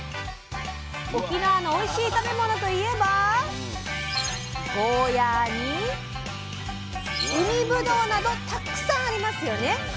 沖縄のおいしい食べ物といえばゴーヤーに海ぶどうなどたくさんありますよね。